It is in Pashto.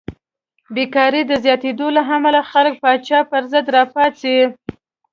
بېکارۍ د زیاتېدو له امله خلک پاچا پرضد راپاڅي.